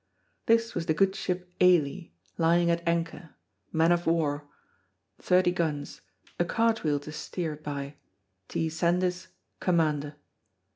This was the good ship Ailie, lying at anchor, man of war, thirty guns, a cart wheel to steer it by, T. Sandys, commander.